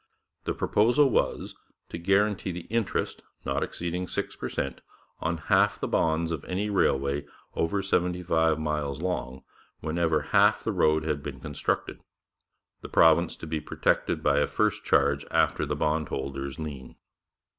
The proposal was, to guarantee the interest, not exceeding six per cent, on half the bonds of any railway over seventy five miles long, whenever half the road had been constructed, the province to be protected by a first charge after the bondholders' lien.